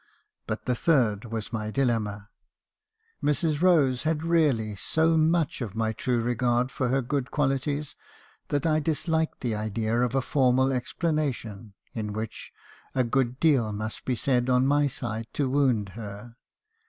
But the third was my dilemma. Mrs. Rose had really so much of my true regard for her good qualities , that I disliked the idea of a formal explana tion , in which a good deal must be said on my side to wound her.